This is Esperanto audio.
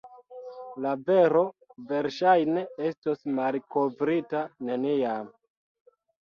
La vero verŝajne estos malkovrita neniam.